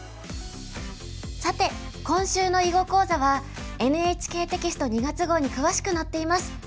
さて今週の囲碁講座はＮＨＫテキスト２月号に詳しく載っています。